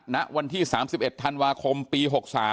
ณวันที่๓๑ธันวาคมปี๖๓